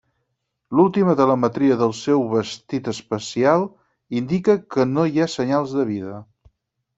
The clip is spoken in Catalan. L'última telemetria del seu vestit espacial indica que no hi ha senyals de vida.